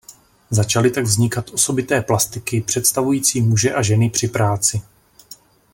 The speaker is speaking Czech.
Začaly tak vznikat osobité plastiky představující muže a ženy při práci.